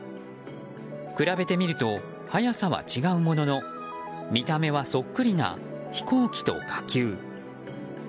比べてみると速さは違うものの見た目はそっくりな飛行機と火球。